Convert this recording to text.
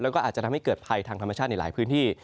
แล้วก็อาจจะทำให้เกิดภัยทางธรรมชาติในหลายพื้นที่